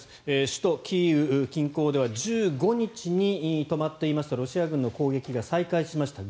首都キーウ近郊では１５日に止まっていましたロシア軍の攻撃が再開しました。